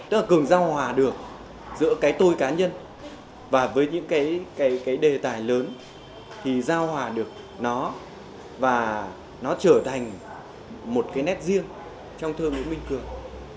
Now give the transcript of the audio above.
tức là cường giao hòa được giữa cái tôi cá nhân và với những cái đề tài lớn thì giao hòa được nó và nó trở thành một cái nét riêng trong thơ nguyễn minh cường